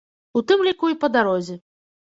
У тым ліку і па дарозе.